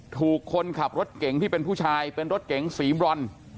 ถูกคนขับรถเก่งที่เป็นผู้ชายเป็นรถเก๋งสีบรอน